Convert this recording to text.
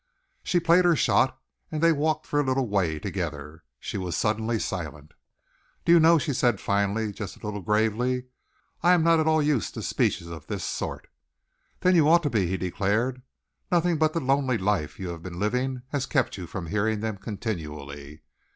She played her shot, and they walked for a little way together. She was suddenly silent. "Do you know," she said finally, just a little gravely, "I am not at all used to speeches of this sort." "Then you ought to be," he declared. "Nothing but the lonely life you have been living has kept you from hearing them continually."